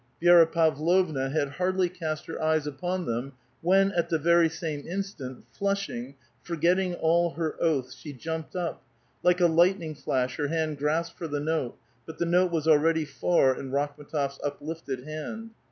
Vi6ra Pavlovna had hardly cast her eyes upon them when, at the very same instant, flushing, forgetting all her oaths, she jumped up ; like a lightning flash her hand grasped for the note, but the note was already far in Rakhm^tof's up lifted hand.